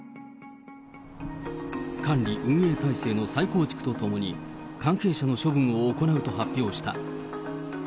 管理運営体制の再構築とともに関係者の処分を行うと発表した。